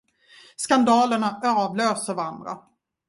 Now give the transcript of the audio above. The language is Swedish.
Skandalerna avlöser varandra.